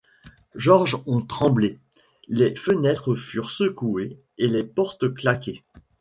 George ont tremblé, les fenêtres furent secouées et les portes claquées.